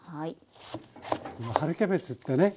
春キャベツってね